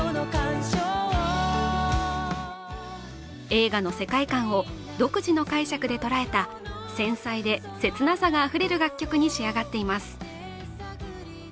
映画の世界観を独自の解釈で捉えた繊細で、切なさがあふれる楽曲に仕上がっています。